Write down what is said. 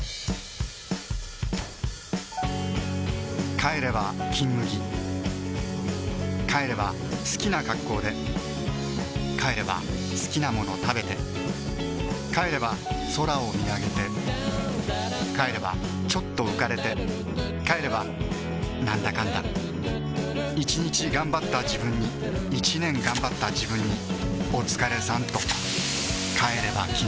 帰れば「金麦」帰れば好きな格好で帰れば好きなもの食べて帰れば空を見上げて帰ればちょっと浮かれて帰ればなんだかんだ１日がんばったジブンに１年がんばったジブンにおつかれさんとシュワー帰れば「金麦」